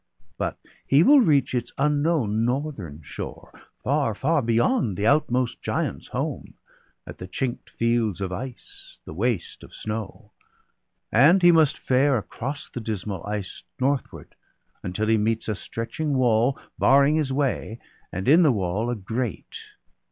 But he will reach its unknown northern shore. Far, far beyond the outmost giant's home, At the chink'd fields of ice, the waste of snow. And he must fare across the dismal ice Northward, until he meets a stretching wall Barring his way, and in the wall a grate.